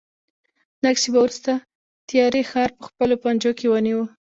لږ شېبه وروسته تیارې ښار په خپلو پنجو کې ونیو.